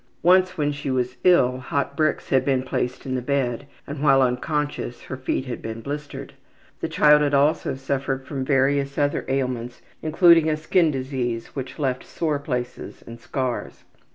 Once when she was ill hot bricks had been placed in the bed, and, while unconscious, her feet had been blistered. The child had also suffered from various other ailments, including a skin disease which left sore places and scars.